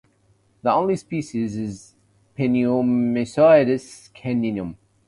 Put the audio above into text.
The only species is Pneumonyssoides caninum.